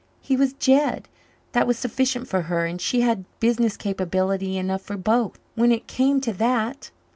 He was Jed that was sufficient for her, and she had business capability enough for both, when it came to that.